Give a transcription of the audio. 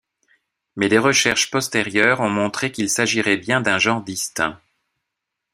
Mais des recherches postérieures ont montré qu'il s'agirait bien d'un genre distinct.